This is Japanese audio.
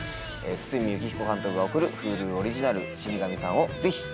堤幸彦監督が送るＨｕｌｕオリジナル『死神さん』をぜひお楽しみに。